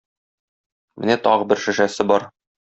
Менә тагы бер шешәсе бар.